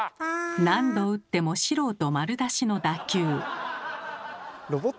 何度打っても素人丸出しの打球。